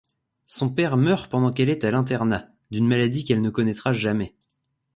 Son père meurt pendant qu'elle est à l'internat, d'une maladie qu'elle ne connaîtra jamais.